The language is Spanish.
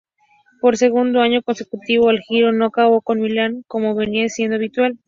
Por segundo año consecutivo el Giro no acabó en Milán como venía siendo habitual.